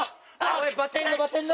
・おいバテんなバテんな！